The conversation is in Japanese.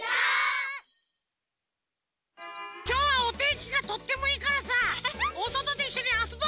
きょうはおてんきがとってもいいからさおそとでいっしょにあそぼう！